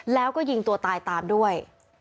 แล้วก็ยิงตัวตายตามด้วย